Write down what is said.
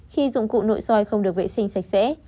khi dụng cụ nội soi không được vệ sinh sạch sẽ